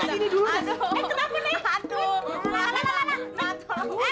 aduh eh kenapa nek